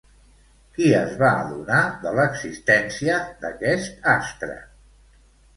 Qui es va adonar de l'existència d'aquest astre?